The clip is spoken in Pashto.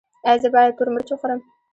ایا زه باید تور مرچ وخورم؟